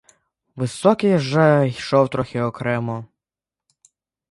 Високий же йшов трохи окремо.